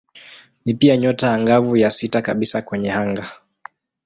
Ni pia nyota angavu ya sita kabisa kwenye anga.